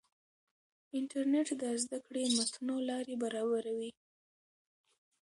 انټرنیټ د زده کړې متنوع لارې برابروي.